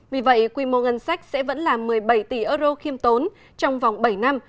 vì vậy quy mô ngân sách sẽ vẫn là một mươi bảy tỷ euro khiêm tốn trong vòng bảy năm